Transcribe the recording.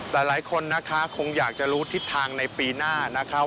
หลายคนนะคะคงอยากจะรู้ทิศทางในปีหน้านะครับ